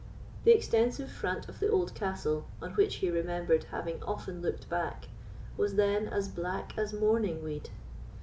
The extensive front of the old castle, on which he remembered having often looked back, was then "as black as mourning weed."